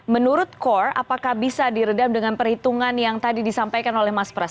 menurut core apakah bisa diredam dengan perhitungan yang tadi disampaikan oleh mas pras